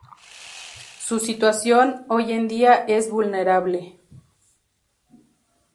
Su situación, hoy en día, es vulnerable.